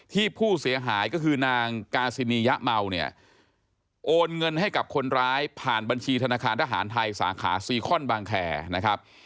ที่ผู้เสียหายก็คือนางกาซินียะเมาเนี่ยโอนเงินให้กับคนร้ายผ่านบัญชีธนาคารทหารไทยสาขาซีคอนบางแคร์นะครับ